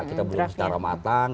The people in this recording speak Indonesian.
kita belum secara matang